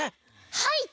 はい！